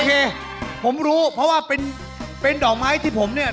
เคผมรู้เพราะว่าเป็นเป็นดอกไม้ที่ผมเนี่ย